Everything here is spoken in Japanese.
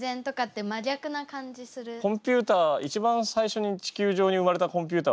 コンピューター一番最初に地球上に生まれたコンピューターは生物ですから。